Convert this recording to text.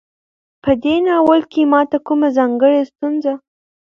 په دې ناول کې ماته کومه ځانګړۍ ستونزه